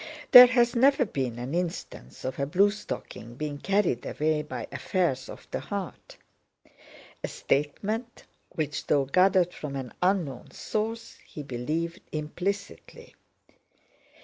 "There has never been an instance of a bluestocking being carried away by affairs of the heart"—a statement which, though gathered from an unknown source, he believed implicitly.